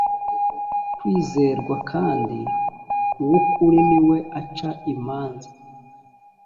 kwizerwa kandi uw ukuri ni we uca imanza